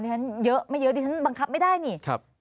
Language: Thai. ฉันเยอะไม่เยอะดิฉันบังคับไม่ได้นี่